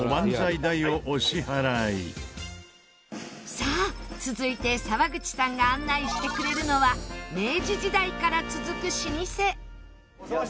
さあ続いて沢口さんが案内してくれるのは明治時代から続く老舗。